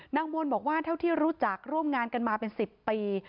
นางมวลบอกว่าเท่าที่รู้จักร่วมงานกันมาเป็น๑๐ปี